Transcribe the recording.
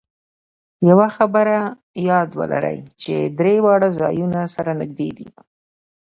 یوه خبره یاد ولرئ چې درې واړه ځایونه سره نږدې دي.